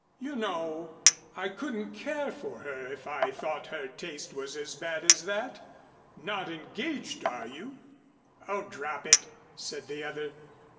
You know, I couldn't care for her if I thought her taste was as bad as that. Not engaged are you?" "Oh, drop it," said the other.